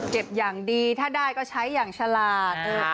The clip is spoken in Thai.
อย่างดีถ้าได้ก็ใช้อย่างฉลาด